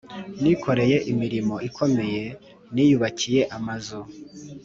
nikoreye imirimo ikomeye niyubakiye amazu